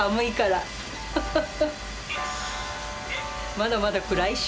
まだまだ暗いし。